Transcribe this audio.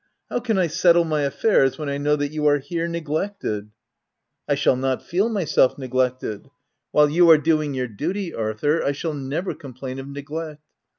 How can I settle my affairs when I know that you are here, neglected —" f f I shall not feel myself neglected : while you are doing your duty, Arthur, I shall never com plain of neglect.